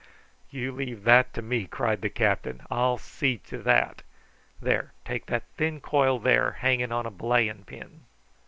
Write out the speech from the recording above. "You leave that to me," cried the captain. "I'll see to that. There, take that thin coil there, hanging on a belaying pin."